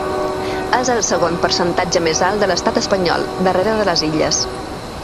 És el segon percentatge més alt de l’estat espanyol, darrere de les Illes.